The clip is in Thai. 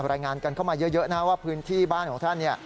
รายงานกันเข้ามาเยอะนะว่าพื้นที่บ้านของท่านเนี่ย